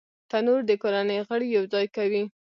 تنور د کورنۍ غړي یو ځای کوي